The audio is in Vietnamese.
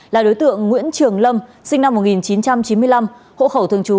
là đối tượng nguyễn trường lâm sinh năm một nghìn chín trăm chín mươi năm hộ khẩu thường trú